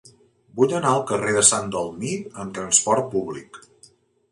Vull anar al carrer de Sant Dalmir amb trasport públic.